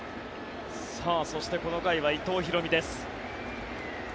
そして、この回は伊藤大海です。